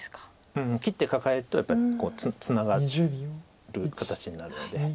うん切ってカカえるとやっぱりツナがる形になるので。